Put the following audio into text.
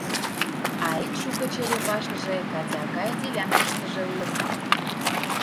А эн шуко черепашкыже Катя акайын делянкыштыже улыт.